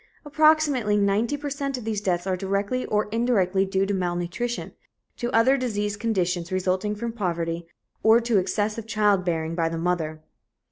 Approximately ninety per cent of these deaths are directly or indirectly due to malnutrition, to other diseased conditions resulting from poverty, or to excessive childbearing by the mother.